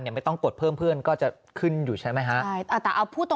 ไม่ต้องกดเพิ่มเพื่อนก็จะขึ้นอยู่ใช่ไหมฮะใช่แต่เอาพูดตรง